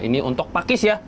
ini untuk pakis ya